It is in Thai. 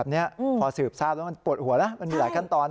นี่คือปวดปวด